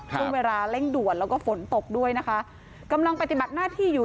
ช่วงเวลาเร่งด่วนแล้วก็ฝนตกด้วยนะคะกำลังปฏิบัติหน้าที่อยู่